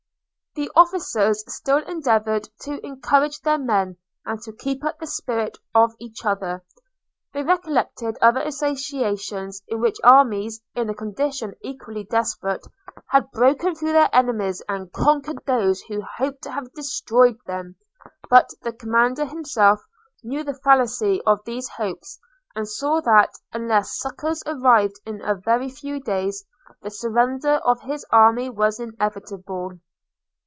The officers still endeavoured to encourage their men, and keep up the spirits of each other – they recollected other occasions in which armies, in a condition equally desperate, had broken through their enemies, and conquered those who hoped to have destroyed them: but the commander himself knew the fallacy of these hopes, and saw that, unless succours arrived in a very few days, the surrender of his army was inevitable.